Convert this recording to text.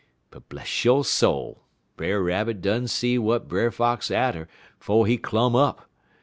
But, bless yo' soul, Brer Rabbit dun see w'at Brer Fox atter 'fo' he clum up.